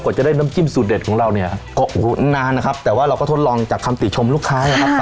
จะได้น้ำจิ้มสูตรเด็ดของเราเนี่ยนานนะครับแต่ว่าเราก็ทดลองจากคำติชมลูกค้านะครับ